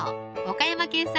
岡山県産